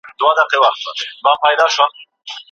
ساعت خاموش پاتې شوی دی.